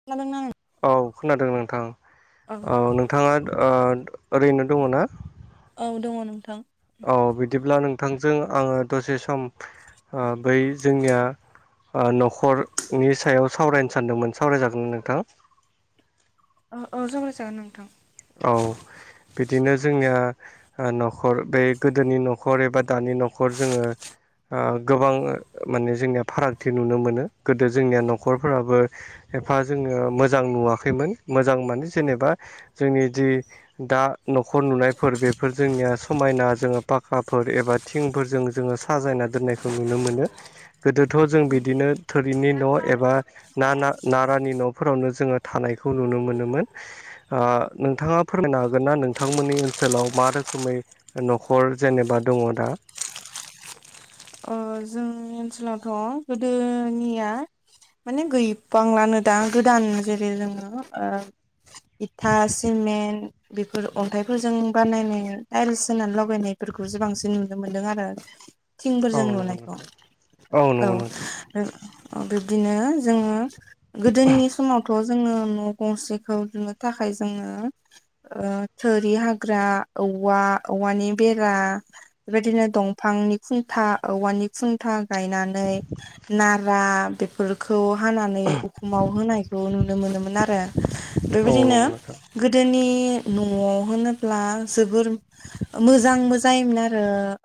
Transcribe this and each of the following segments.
[unintelligible] औ खोनादों नोंथां औ नोंथाङा ओरैनो दङ ना औ दङ नोंथां औ बिदिब्ला नोंथांजों आङो दसे सम बै जोंनिया न'खरनि सायाव सावरायनो सानदोंमोन सावरायजागोनमोन नोंथां औ औ सावराय जागोन नोंथां औ बिदिनो जोंनिया न'खर बे गोदोनि न'खर एबा दानि न'खर जोङो ओयो गोबां ओ माने जोंनिया फारागथि नुनो मोनो गोदो जोंनिया न'खरफोराबो एफा जोङो मोजां नुवाखैमोन मोजां माने जेनेबा जोंनि जि दा न'खर नुनायफोर बेफोर जोंनिया समायना जोङो पाक्खाफोर एबा थिंफोरजों जोङो साजायना दोननायखौ नुनो मोनो। गोदोथ' जों बिदिनो थोरिनि न' एबा ना ना नारानि न'फोरावनो जोङो थानायखौ नुनो मोनोमोन। आया नोंथाङा फोरमायनो हागोन ना नोंथांमोननि ओनसोलाव मा रोखोमै न'खर जेनेबा दङ दा। अ जों नि ओनसोलावथ' गोदोनिया माने गैबांलानो दा गोदान जेरै जोङो इथा सिमेन्थ बेफोर अन्थाइफोरजों बानायनाय टाइल्स होनानै लगायनायफोरखौ ज बांसिन नुनो मोन्दों आरो औ थिंफोरजों नंगौ लुनायखौ नोंथां औ नंगौ नोंथां औ बिब्दिनो जोङो गोदोनि समावथ' जोङो न' गंसेखौ लुनो थाखाय जोंङो रा थोरि हाग्रा औवा औवानि बेरा। बेबायदिनो दंफांनि खुन्था औवानि खुन था गायनानै नारा बेफ फोरखौ हानानै उखुमाव होनायखौ नुनो मोनोमोन आरो औ बेबायदिनो नंगौ नोंथां गोदोनि न'आव होनोब्ला जोबोर मोजां मोजां जायोमोन आरो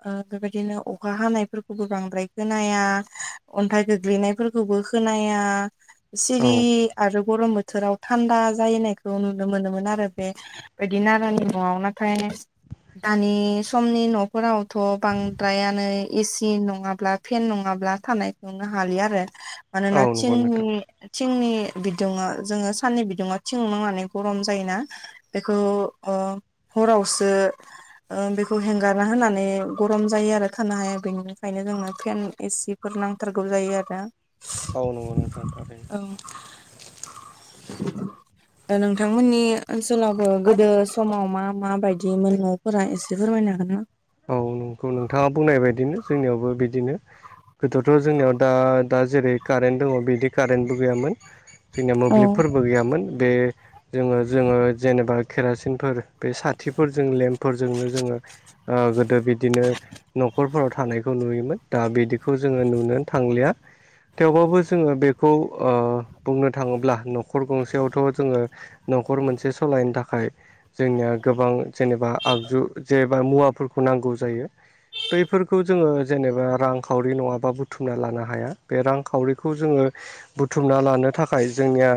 ओ बेबायदिनो अखा हानायफोरखौबो बांद्राय खोनाया अन्थाइ गोग्लैनायफोरखौबो खोनाया औ सिरि आरो गरम बोथोराव थान्दा जाहैनायखौ नुनो मोनोमोन आरो बे। बिदि नारानि न'ङाव नाथाय दानि समनि न'फोरावथ' बांद्रायानो एसि नङाब्ला फेन नङाब्ला थानाय नुनो हालि आरो औ मानोना नंगौ थिंनि नोंथां थिंनि बिदुङा जोङो साननि बिदुङा थिं नांनानै गरम जायोना? बेखौ ओ हरा ओ बेखौ हेंगारना होनानै गरम जायो आरो खानो हाया बेनिखायनो जोंना फेन एसिफोर नांथारगौ जायो आरो। औ नंगौ नोंथां थारैनो। [inaudible] ओ नोंथांमोननि ओनसोलावबो गोदो समाव मा मा बायदि मोनो न फोरा एसे फोरमायनो हागोन ना? औ नोंखौ नोंथाङा बुंनाय बायदिनो जोंनियावबो बिदिनो। गोथोवथ' जोंनियाव दा दा जेरै कारेन्ट दङ बिदि कारेन्टबो गैयामोन। जोंनिया औ मोब्लिबफोरबो गैयामोन बे जोङो जोङो जेनेबा केरासिनफोर बे साथिफोरजों लेम्पफोरजोंनो जोङो ओ गोदो बिदिनो न'खरफोराव थानायखौ नुयोमोन दा बिदिखौ जोङो नुनो थांलिया। थेवबाबो जोङो बेखौ ओयो बुंनो थाङोब्ला न'खर गंसेयावथ' जोङो न'खर मोनसे सलायनो थाखाय जोंनिया गोबां जेनेबा आगजु जेबा मुवाफ फोरखौ नांगौ जायो। बैफोरखौ जोङो जेनेबा रांखावरि नङाबा बुथुमना लानो हाया बे रांखावरिखौ जोङो बुथुमना लानो थाखाय जोंनिया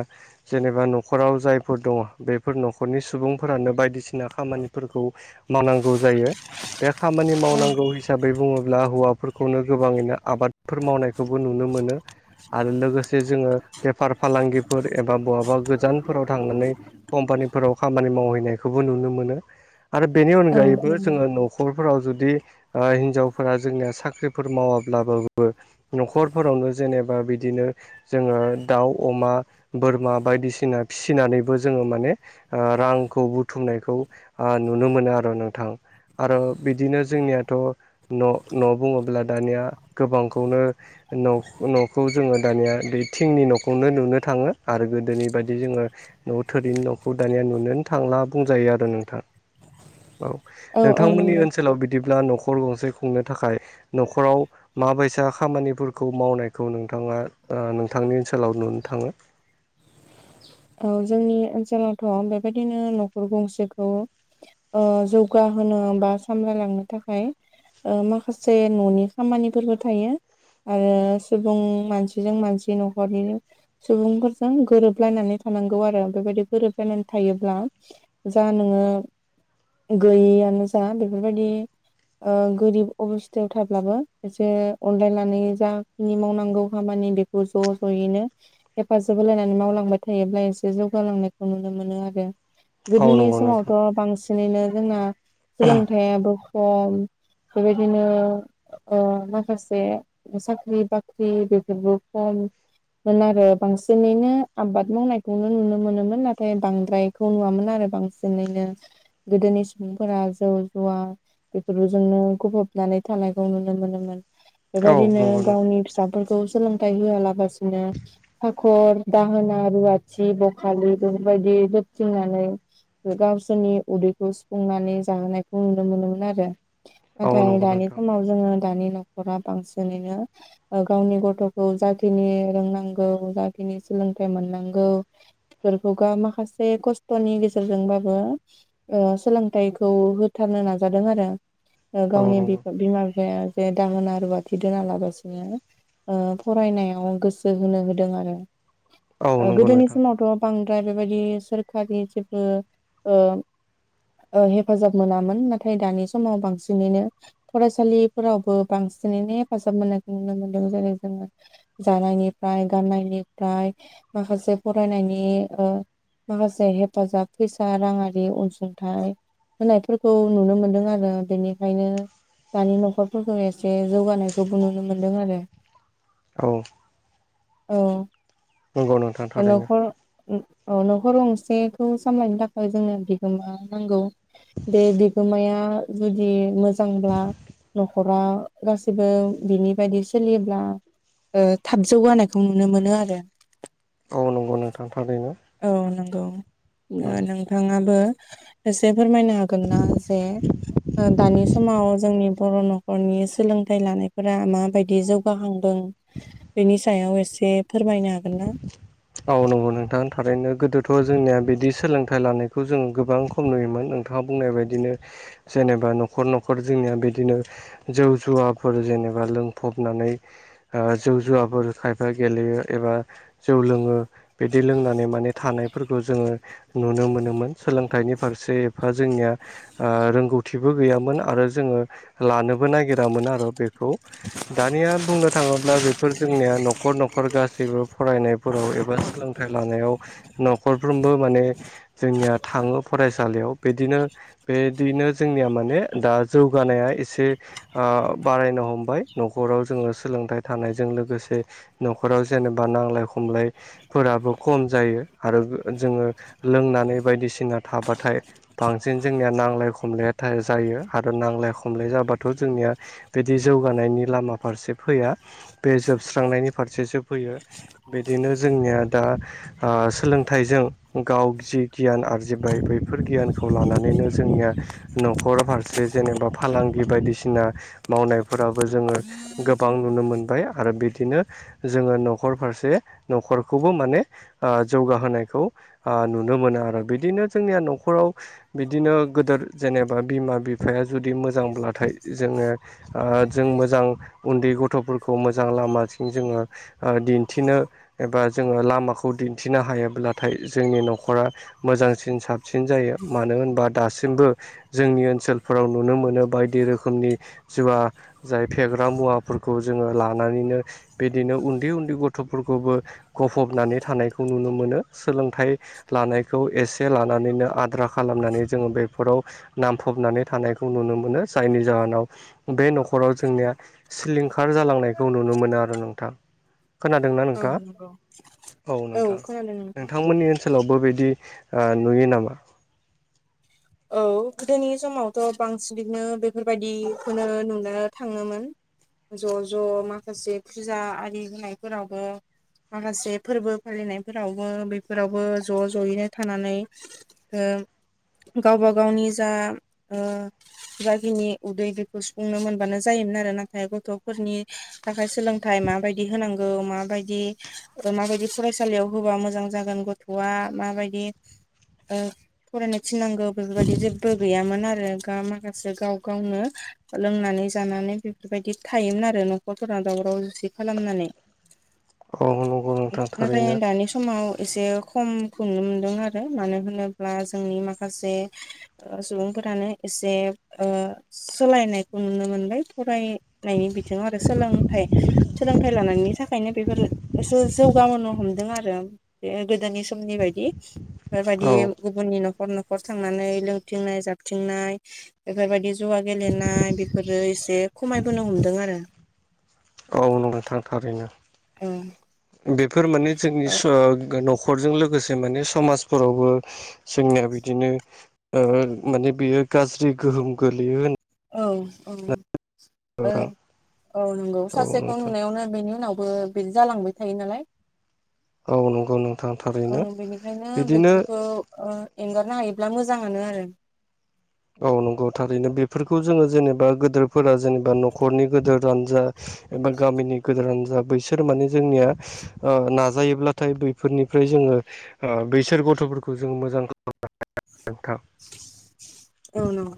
जेनेबा न'खराव जायफोर दङ बेफोर न'खरनि सुबुंफोरानो बायदिसिना खामानिफोरखौ मावनांगौ जायो बे खामानि मावनांगौ हिसा हिसाबै बुङोब्ला हौवाफोरखौनो गोबाङैनो आबादफोर मावनायखौबो नुनो मोनो। आरो लोगोसे जोङो बेफार फालांगिफोर एबा बहाबा गोजानफोराव थांनानै कम्पानिफोराव खामानि मावहैनायखौबो नुनो मोनो आरो बेनि औ अनगायैबो नंगौ जोङो न'खरफोराव जुदि ओ हिनजावफोरा जोंनिया साख्रिफोर मावाब्लाबाबो न'खरफोरावनो जेनेबा बिदिनो जोङो दाउ, अमा, बोरमा बायदिसिना फिसिनानैबो जोङो माने ओ रांखौ बुथुमनायखौ ओ नुनो मोनो आर' नोंथां। आरो बिदिनो जोंनियाथ' न' न' बुङोब्ला दानिया गोबांखौनो न'ख न'खौ जोङो दानिया बे थिंनि न'खौनो नुनो थाङो आरो गोदोनि बायदि जोङो न' थोरिनि न'खौ दानिया नुनोनो थांला बुंजायो आरो नोंथां औ औ नोंथांमोननि नंगौ ओनसोलाव बिदिब्ला न'खर गंसे खुंनो थाखाय न'खराव माबैसा खामानिफोरखौ मावनायखौ नोंथाङा ओ नोंथांनि ओनसोलाव नुनो थाङो? औ जोंनि ओनसोलावथ' बेबायदिनो न'खर गंसेखौ ओ जौगाहोनो बा सामलायलांनो थाखाय ओ माखासे न'नि खामानिफोरबो थायो। आरो सुबुं मानसिजों मानसि न'खरनि सुबुंफोरजों गोरोबलायनानै थ थानांगौ आरो बेबायदि गोरोबलनानै थायोब्ला जा नोङो गैयियानो जा बेफोरबायदि ओ गोरिब अबस्थायाव थाब्लाबो एसे अनलायनानै जाखिनि मावनांगौ खामानि बे खौ ज' ज'यैनो हेफाजाब होलायनानै मावलांबाय थायोब्ला एसे जौगालांनायखौ नुनो मोनो आरो औ गोदोनि नंगौ नोंथां समावथ' बांस ओरैनो जोंना सोलोंथायाबो खम बेबायदिनो ओ ओ माखासे साख्रि बाख्रि बेफोरबो खम। मोन आरो बांसिनैनो आबाद मावनायखौनो नुनो मोनोमोन नाथाय बांद्रायखौ नुवामोन आरो बांसिनैनो गोदोनि सुबुंफोरा जौ जुवा बेफोरजोंनो गफबनानै थानायखौ नुनो मोनोमोन। औ बेबायदिनो नंगौ नोंथां गावनि फिसाफोरखौ सोलोंथाइ होआलाबासिनो फाखर दा होना, रुवाथि, बखालि बेफोरबायदि दोनथिंनानै ओ गावसोरनि उदैखौ सुफुंनानै जाहोनायखौ नुनो मोनोमोन आरो। औ नाथाय नंगौ दानि नोंथां समाव जोङो दानि न'खरा बांसिनैनो ओ गावनि गथ'खौ जाखिनि रोंनांगौ जाखिनि सोलोंथाइ मोननांगौ बेफोरखौ गा माखासे कस्थ'नि गेजेरजोंबाबो ओ सोलोंथाइखौ होथारनो नाजादों आरो। ओ औ गावनि नंगौ बिफा बिमा बिफाया जे दाहोना रुवाथि दोना लाबासिनो ओ फरायनायाव गोसो होनो होदों आरो। औ ओ नंगौ गोदोनि नोंथां समावथ' बांद्राय बेबायदि सोरखारि जेबो ओ ओ हेफाजाब मोनामोन नाथाय दानि समाव बांसिनैनो फरायसालिफोरावबो बांसिनैनो हेफाजाब मोननायखौ नुनो मोनदों जेरै जोङो जानायनिफ्राय गाननायनिफ्राय माखासे फरायनायनि ओ माखासे हेफाजाब फैसा राङारि अनसुंथाइ होनायफोरखौ नुनो मोनदों आरो बेनिखायनो दानि न'खरफोरखौ एसे जौगानायखौबो नुनो मोनदों आरो। औ औ नंगौ नों ओ न'खर उम अ न'खर गंसेखौ सामलायनो थाखाय जोंनो बिगोमा नांगौ। बे बिगोमाया जुदि मोजांब्ला न'खरा गासिबो बिनि बायदि सोलियोब्ला ओ थाब जौगानायखौ नुनो मोनो आरो। औ नंगौ नोंथां थारैनो औ नंगौ ओ उम नों थाङाबो एसे फोरमायनो हागोन ना जे ओ दानि समाव जोंनि बर' नखरनि सोलोंथाइ लानायफोरा माबायदि जौगाखांदों बेनि सायाव एसे फोरमायनो हागोन ना? औ नंगौ नोंथां थारैनो गोदोथ‌' जोंनिया बिदि सोलोंथाइ लानायखौ जों गोबां खम नुयोमोन नोंथाङा बुंनाय बायदिनो जेनेबा नखर नखर जोंनिया बिदिनो जौ जुवाफोर जेनेबा लोंफबनानै आरो जौ जुवाफोर खायफा गेलेयो एबा जौ लों ङो बिदि लोंनानै माने थानाय फोरखौ जोङो नुनो मोनोमोन सोलोंथाइनि फारसे एफा जोंनिया ओ रोंगौथिबो गैयामोन आरो जोङो लानोबो नागिरामोन आरो बेखौ दानिया बुंनो थाङोब्ला बेफोर जोंनिया न'खर न'खर गासैबो फरायनाय फोराव एबा सोलोंथाइ लानायाव न'खरफ्रोमबो माने जोंनिया थाङो फरायसालियाव बेदिनो बेदिनो जोंनिया माने दा जौगानाया एसे ओ बारायनो हमबाय न'खराव जोङो सोलोंथाइ थानायजों लोगोसे न'खराव जेनेबा नांलाय खमलायफोराबो खम जायो आरो गो ओ जोङो लोंनानै बायदिसिना थाबाथाय बांसिन जोंनिया नांलाय खमलाया था जायो आरो नांलाय खमलाय जाबाथ' जोंनिया बिदि जौगानायनि लामा फारसे फैया बे जोबस्रांनायनि फारसेसो फैयो बिदिनो जोंनिया दा आ सोलोंथाइजों गाव जि गियान आरजिबाय बैफोर गियानखौ लानानैनो जोंनिया न'खर फारसे जेनेबा फालांगि बायदिसिना मावनायफोराबो जोङो गोबां नुनो मोनबाय आरो बिदिनो जोङो न'खर फारस जे न'खरखौबो माने ओ जौगाहोनायखौ ओ नुनो मोनो आरो बिदिनो जोंनिया न'खराव बिदिनो गोदोर जेनेबा बिमा बिफाया जुदि मोजांब्लाथाय जोङो ओ जों मोजां उन्दै गथ'फोरखौ मोजां लामाथिं जोङो ओ दिन थिनो एबा जोङो लामाखौ दिन्थिनो हायोब्लाथाय जोंनि न'खरा मोजांसिन साबसिन जायो मानो होनबा दासिमबो जोंनि ओनसोलफोराव नुनो मोनो बायदि रोखोमनि जुवा जाय फेग्रा मुवाफोरखौ जोङो लानानैनो बिदिनो उन्दै उन्दै गथ थ'फोरखौबो गफबनानै थानायखौ नुनो मोनो सोलोंथाइ लानायखौ एसे लानानैनो आद्रा खालामनानै जोङो बेफोराव नांफबनानै थानायखौ नुनो मोनो जायनि जाहोनाव बे न'खराव जोंनिया सिलिंखार जालांनायखौ नुनो मोनो आरो नोंथां। खोनादोंना औ नोंथाङा? नंगौ औ नोंथां खोनादों नोंथां नोंथांमोननि ओनसो सोलावबो बिदि ओ नुयो नामा? औ गोदोनि समावथ' बांसिसुबिनो बेफोरबायदिखौनो नुनो थाङोमोन। ज' ज' माखासे फुजा आरि होनायफोरावबो माखासे फोरबो फालिनायफोरावबो बेफोरावबो ज' ज'यैनो थानानै ओ गावबा गावनि जा ओ राजिनि उदै बेखौ सुफुंनो मोनबानो जायोमोन आरो नाथाय गथ'फोरनि थाखाय सोलोंथाइ माबायदि होनांगौ माबायदि ओ माबायदि फरायसालियाव होबा मोजां जागोन गथ'आ माबायदि ओ फरायनो थिननांगौ बेफोरबायदि जेबो गैयामोन आरो गा माखासे गाव गावनो लोंनानै जानानै बि फोरबायदि थायोमोन आरो न'खरफोराव दावराव दावसि खालामनानै औ नंगौ नोंथां नाथाय थारैनो दानि समाव एसे खमखौ नुनो मोनदों आरो मानो होनोब्ला जोंनि माखासे ओ सुबुंफोरानो एसे ओ सोलायनायखौ नुनो मोनबाय फरायनायनि बिथिङाव आरो सोलोंथाइ। सोलोंथाइ लानायनि थाखायनो बेफोर एसे जौगाबोनो हमदों आरो। बे गोदोनि समनि बायदि। औ बेफोरबायदि गुबुननि नखर नखर थांनानै लोंथिंनाय जाबथिंनाय बेफोरबायदि। जुवा गेलेनाय बेफोरो एसे खमायबोनो हमदों आरो। औ नोंथां थारैनो। ओम बेफोर माने जोंनि स नख खरजों लोगोसे माने समाजफोरावबो जोंनिया बिदिनो ओ माने बियो गाज्रि गोहोम गोलैयो होन औ औ ओ औ नंगौ औ सासेखौ नोंथां नुनायावनो बेनि उनावबो बिदि जालांबाय थायो नालाय औ नंगौ नोंथां थारैनो बिदिनो औ ओ एंगारनो हायोब्ला मोजाङानो आरो। औ नंगौ थारैनो बेफोरखौ जोङो जेनेबा गोदोरफोरा जेनेबा नखरनि गोदोर रानजा। एबा गामिनि गोदोरानो जा बैसोर माने जोंनिया। ओ-नाजायोब्लाथाय बैफोरनिफ्राय जोङो ओ बैसोर गथफोरखौ जों मोजां खा [unintelligible] औ नो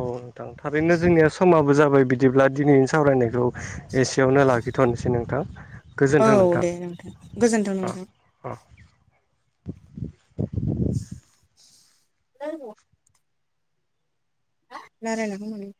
औ नोंथां थारैनो जोंनिया समाबो जाबाय बिदिब्ला दिनैनि सावरायनायखौ एसेयावनो लाखिथनोसै नोंथां। औ दे नोंथां गोजोनथों अ नोंथां। अ [inaudible] औ नारायनायखौ मोनो।